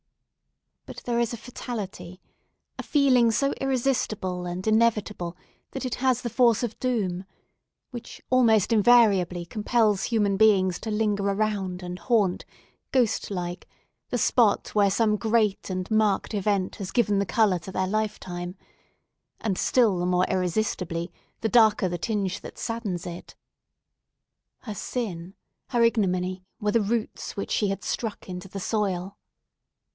But there is a fatality, a feeling so irresistible and inevitable that it has the force of doom, which almost invariably compels human beings to linger around and haunt, ghost like, the spot where some great and marked event has given the colour to their lifetime; and, still the more irresistibly, the darker the tinge that saddens it. Her sin, her ignominy, were the roots which she had struck into the soil.